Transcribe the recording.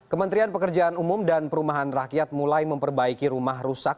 kementerian pekerjaan umum dan perumahan rakyat mulai memperbaiki rumah rusak